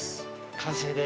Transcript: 完成です。